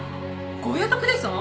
ゴーヤとクレソン？